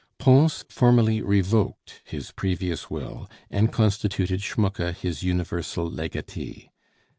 Pons formally revoked his previous will and constituted Schmucke his universal legatee.